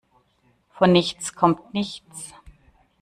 Von nichts komm nichts.